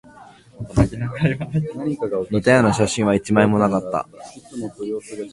似たような写真は一枚もなかった